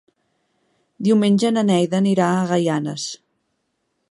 Diumenge na Neida anirà a Gaianes.